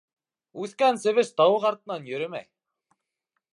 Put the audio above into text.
Үҫкән себеш тауыҡ артынан йөрөмәй.